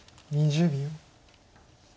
２０秒。